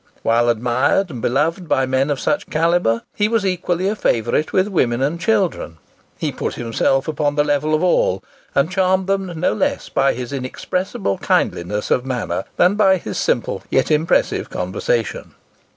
While admired and beloved by men of such calibre, he was equally a favourite with women and children. He put himself upon the level of all, and charmed them no less by his inexpressible kindliness of manner than by his simple yet impressive conversation.